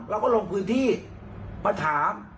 เราก็ลงพื้นที่มาถาม